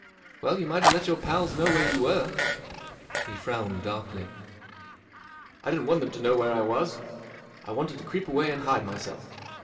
44 Well, you might have let your pals know where you were." He frowned darkly. 44 I didn't want them to know where I was. I wanted to creep away and hide myself.